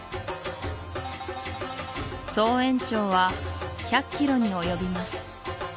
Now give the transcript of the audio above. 総延長は１００キロに及びます